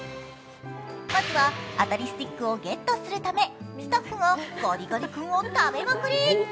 まずは当たりスティックをゲットするためスタッフがガリガリ君を食べまくり。